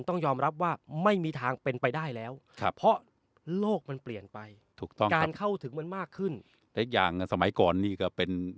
ต้องยอมรับว่าไม่มีทางเป็นไปได้แล้วครับ